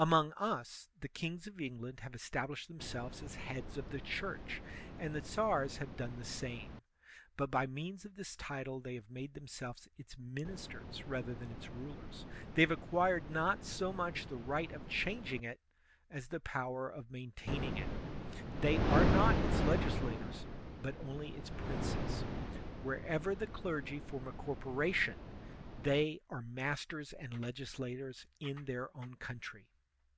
Among us, the kings of England have established them selves as heads of the church, and the Tsars have done the same; but by means of this title they have made themselves its ministers rather than its rulers; they have acquired not so much the right of changing it as the power of maintaining it; they are not its legislators but only its princes. Wherever the clergy form a corpora CIVIL RELIGION 119 tion,* they are masters and legislators in their own country.